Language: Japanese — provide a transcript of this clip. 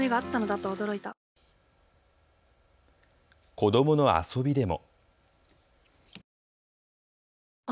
子どもの遊びでも。